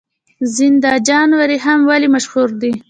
زنده جان وریښم ولې مشهور دي؟